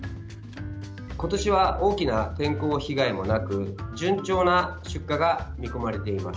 今年は大きな天候被害もなく順調な出荷が見込まれています。